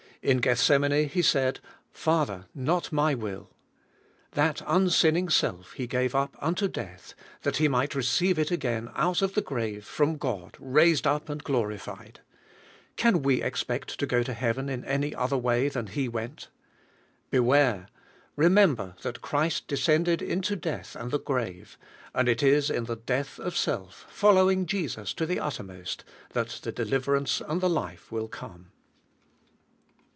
In Gethsemane He said, "Father, not My will." That unsinning self He gave up unto death that He might receive it again out of the grave from God, raised up and glorified. Can we expect to go to Heaven in any other wa}' than He went? Beware! remember that Christ descended into death and the grave, and it is in the death of self, following Jesus to the uttermost, that the deliverance and the life will come.